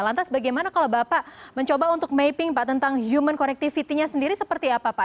lantas bagaimana kalau bapak mencoba untuk mapping pak tentang human connectivity nya sendiri seperti apa pak